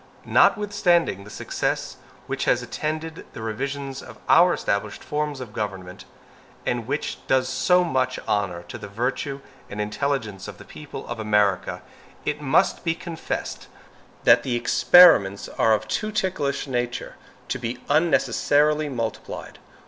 Notwithstanding the success which has attended the revisions of our established forms of government, and which does so much honor to the virtue and intelligence of the people of America, it must be confessed that the experiments are of too ticklish a nature to be unnecessarily multiplied.